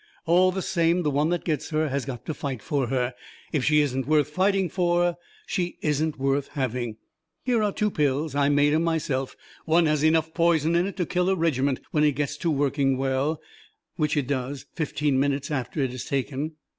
All the same, the one that gets her has got to fight for her. If she isn't worth fighting for, she isn't worth having. Here are two pills. I made 'em myself. One has enough poison in it to kill a regiment when it gets to working well which it does fifteen minutes after it is taken.